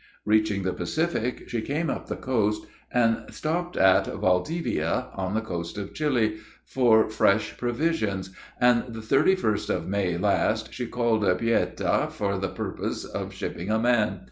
Reaching the Pacific, she came up the coast and stopped at Valdivia, on the coast of Chili, for fresh provisions, and the 31st of May last, she called at Paita for the purpose of shipping a man.